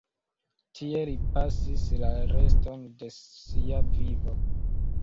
Tie li pasis la reston de sia vivo.